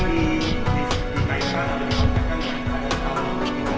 mereka bisa kerja sangat banyak dan berumur dua ratus